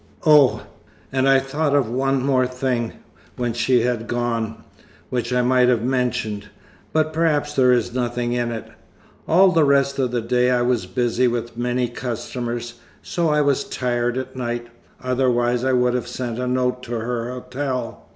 Oh, and I thought of one more thing, when she had gone, which I might have mentioned. But perhaps there is nothing in it. All the rest of the day I was busy with many customers, so I was tired at night, otherwise I would have sent a note to her hotel.